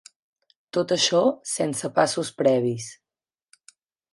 Tot això sense passos previs.